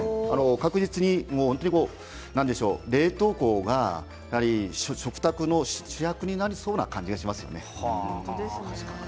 確実に冷凍庫が食卓の主役になりそうな感じがしますよね。